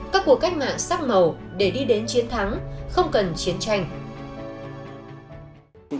các cuộc cách mạng sắc màu để đi đến chiến thắng không cần chiến tranh